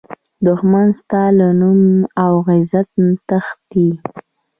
دښمن ستا له نوم او عزته تښتي